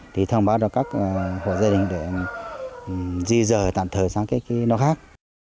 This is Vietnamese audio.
thông báo cho các hộ gia đình để di dời tạm thời sang cái nơi khác